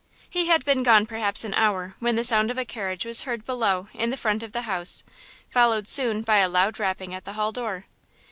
He had been gone perhaps an hour when the sound of a carriage was heard below in the front of the house, followed soon by a loud rapping at the hall door.